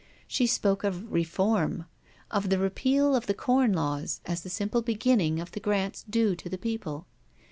She spoke of Reform: of the Repeal of the Corn Laws as the simple beginning of the grants due to the people.